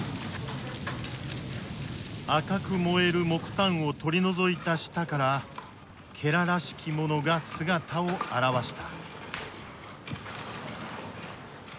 赤く燃える木炭を取り除いた下かららしきものが姿を現した。